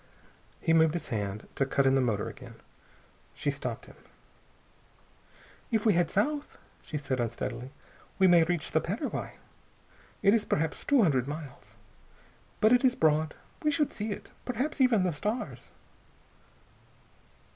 He moved his hand to cut in the motor again. She stopped him. "If we head south," she said unsteadily, "we may reach the Paraguay. It is perhaps two hundred miles, but it is broad. We should see it. Perhaps even the stars...."